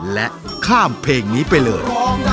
และข้ามเพลงนี้ไปเลย